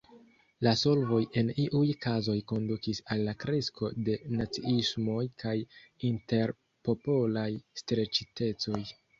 La solvoj en iuj kazoj kondukis al la kresko de naciismoj kaj interpopolaj streĉitecoj.